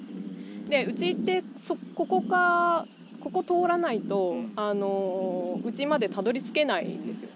でうちってここを通らないとあのうちまでたどりつけないんですよ。